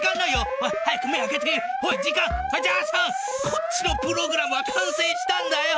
こっちのプログラムは完成したんだよ！